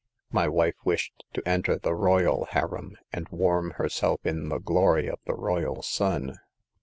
My wife wished to enter the royal harem, and warm herself in the glory of the royal sun.